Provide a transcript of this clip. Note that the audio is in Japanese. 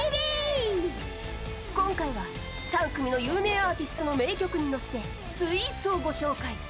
今回は３組の有名アーティストの名曲に乗せてスイーツをご紹介。